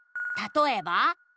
「たとえば？」